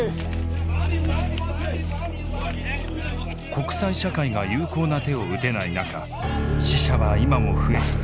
国際社会が有効な手を打てない中死者は今も増え続け